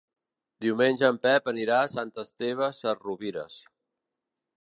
Diumenge en Pep anirà a Sant Esteve Sesrovires.